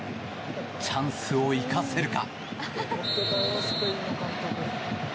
チャンスを生かせるか。